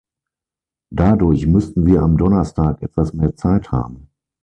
Dadurch müssten wir am Donnerstag etwas mehr Zeit haben.